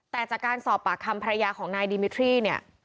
แต่จากการสอบปากคำภรรยาของนายดิมิทรี่เนี่ย